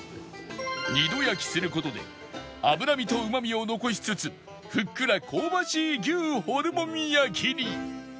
２度焼きする事で脂身とうまみを残しつつふっくら香ばしい牛ホルモン焼に